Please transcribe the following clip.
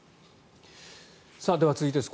では、続いてです。